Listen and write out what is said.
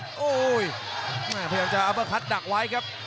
พยายามจะอัร์เวอร์คัทดักไว้ครับ